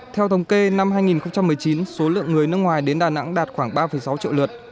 theo thống kê năm hai nghìn một mươi chín số lượng người nước ngoài đến đà nẵng đạt khoảng ba sáu triệu lượt